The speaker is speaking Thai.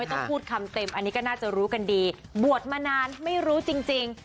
ต้องพูดคำเต็มอันนี้ก็น่าจะรู้กันดีบวชมานานไม่รู้จริง